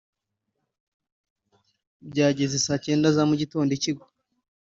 byageze saa cyenda za mu gitondo ikigwa